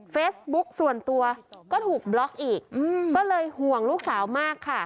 เฟซบุ๊กส่วนตัวก็ถูกบล็อกอีกก็เลยห่วงลูกสาวมากค่ะ